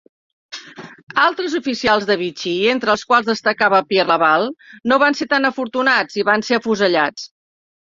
Altres oficials de Vichy, entre els quals destacava Pierre Laval, no van ser tan afortunats i van ser afusellats.